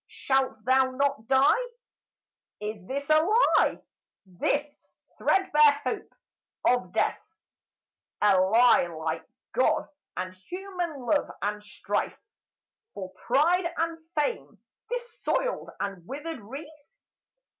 Shalt thou not die ? Is this a lie, This threadbare hope of death ? A lie like God, and human love, and strife For pride and fame this soiled and withered wreath?